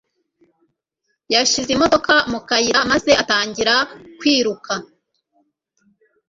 Yashize imodoka mu kayira maze atangira kwiruka